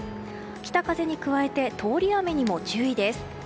北風に加えて通り雨にも注意です。